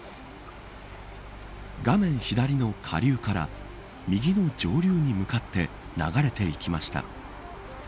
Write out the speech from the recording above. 画面左の下流から右の上流に向かって流れていきました。